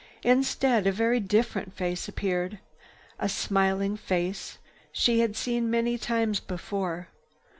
Instead, a very different face appeared, a smiling face she had seen many times before.